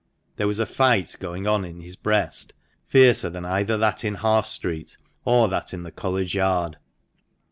There was a fight going on in his breast fiercer than either that in Half Street or that in the College Yard.